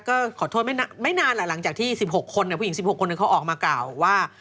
ก็ขอโทษไม่นานแหละหลังจากที่๑๖คนผู้หญิง๑๖คนหนึ่งเขาออกมากล่าวว่า